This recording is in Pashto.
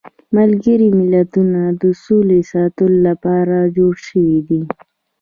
ملګري ملتونه د سولې ساتلو لپاره جوړ شویدي.